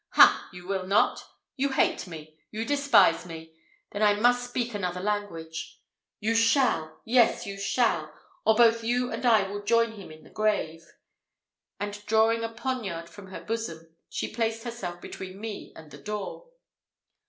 Ha! you will not! You hate me! you despise me! Then I must speak another language. You shall! Yes, you shall! or both you and I will join him in the grave!" and, drawing a poniard from her bosom, she placed herself between me and the door.